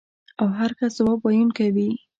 او هر کس ځواب ویونکی وي.